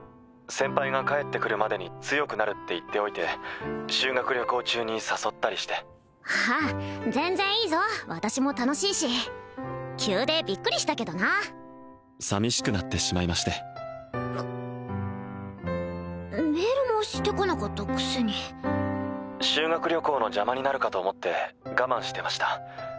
☎先輩が帰ってくるまでに強くなるって言っておいて☎修学旅行中に誘ったりしてああ全然いいぞ私も楽しいし急でびっくりしたけどな寂しくなってしまいましてメールもしてこなかったくせに☎修学旅行の邪魔になるかと思って我慢してました